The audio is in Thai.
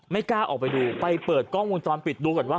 กล้าออกไปดูไปเปิดกล้องวงจรปิดดูก่อนว่า